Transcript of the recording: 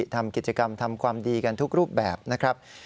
ทำกิจกรรมทำความดีกันทุกรูปแบบนะครับ